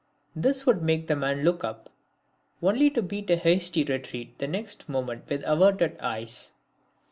This would make the man look up, only to beat a hasty retreat the next moment with averted eyes.